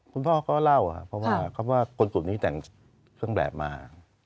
คุณพ่อก็เล่าเพราะว่าคำว่าคนกลุ่มนี้แต่งเครื่องแบบมา